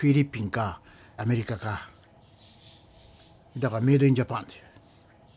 だからメイドインジャパンっていう。